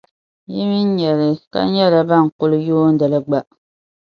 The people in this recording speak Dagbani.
Yi mi nya li, ka nyɛla ban kuli yuundili gba.